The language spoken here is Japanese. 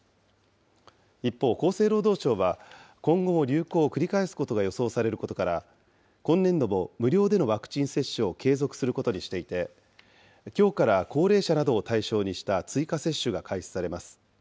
一方、厚生労働省は、今後も流行を繰り返すことが予想されることから、今年度も無料でのワクチン接種を継続することにしていて、きょうから高齢者などを対象にした追加接種が開始されます。